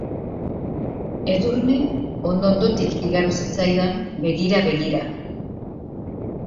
Edurne ondo-ondotik igaro zitzaidan, begira-begira.